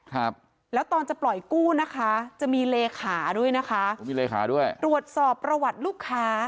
ครับแล้วตอนจะปล่อยกู้นะคะจะมีเลขาด้วยนะคะโอ้มีเลขาด้วยตรวจสอบประวัติลูกค้า